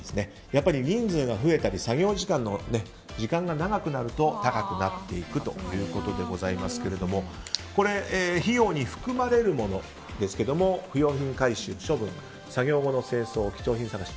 やっぱり人数が増えたり作業時間が長くなると高くなっていくということでございますが費用に含まれるものですが不用品回収・処分、作業後の清掃貴重品探し。